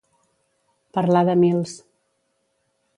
Parlar de mils.